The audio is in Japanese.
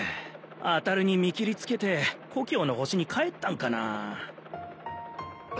あたるに見切りつけて故郷の星に帰ったんかな？